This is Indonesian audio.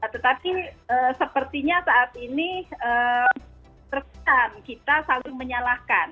tetapi sepertinya saat ini terkena kita selalu menyalahkan